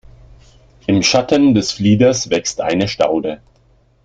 Im Schatten des Flieders wächst eine Staude.